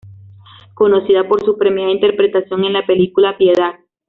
Conocida por su premiada interpretación en la película "Piedad".